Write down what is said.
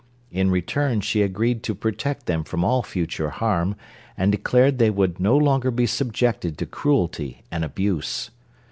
In return she agreed to protect them from all future harm and declared they would no longer be subjected to cruelty and abuse.